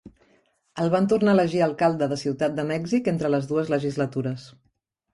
El van tornar a elegir alcalde de Ciutat de Mèxic entre les dues legislatures.